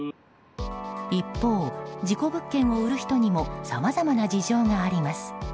一方、事故物件を売る人にもさまざまな事情があります。